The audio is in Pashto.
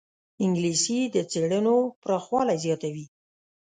انګلیسي د څېړنو پراخوالی زیاتوي